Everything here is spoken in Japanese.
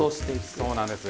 そうなんですよ。